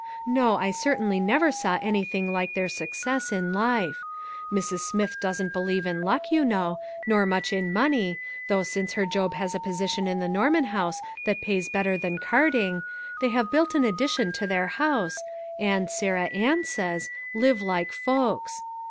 No, I certainly never saw anything like their success in life. Mrs. Smith doesn't believe in luck, you know, nor much in money, though since her Job has a posi tion in the Norman House that pays better than 434 LITTLE FISHERS: AND THEIR NETS. carting, they have built an addition to their house, and, Sarah Ann says, "live like folks."